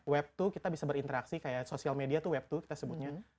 web dua kita bisa berinteraksi kayak sosial media tuh web dua kita sebutnya